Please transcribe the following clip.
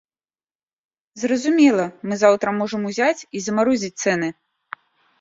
Зразумела, мы заўтра можам узяць і замарозіць цэны.